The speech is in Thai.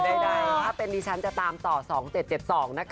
ใดถ้าเป็นดิฉันจะตามต่อ๒๗๗๒นะคะ